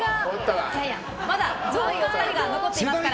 まだ上位のお二人が残ってますから。